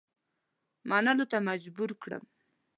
منلو ته مجبور کړم.